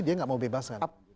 dia tidak mau bebas kan